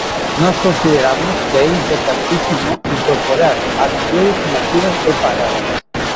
Nós consideramos que é importantísimo incorporar as mulleres inactivas e paradas.